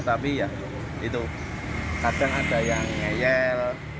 tapi ya itu kadang ada yang ngeyel